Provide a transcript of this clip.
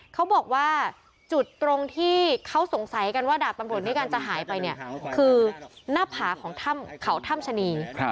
เขาบอกว่าจุดตรงที่เขาสงสัยกันว่าดาบตำรวจนิกัลจะหายไปเนี่ยคือหน้าผาของถ้ำเขาถ้ำชะนี